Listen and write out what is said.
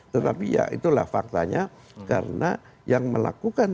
tetapi ya itulah faktanya karena yang melakukan